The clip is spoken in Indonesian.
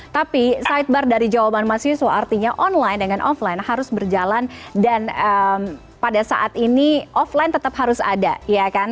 tapi sidebar dari jawaban mas yusuf artinya online dengan offline harus berjalan dan pada saat ini offline tetap harus ada ya kan